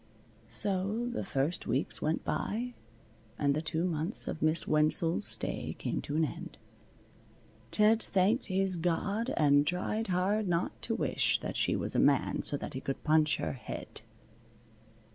So the first weeks went by, and the two months of Miss Wenzel's stay came to an end. Ted thanked his God and tried hard not to wish that she was a man so that he could punch her head.